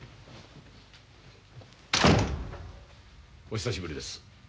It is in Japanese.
お久しぶりです。